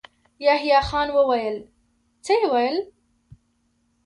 يحيی خان وويل: څه يې ويل؟